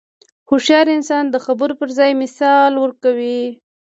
هوښیار انسان د خبرو پر ځای مثال ورکوي.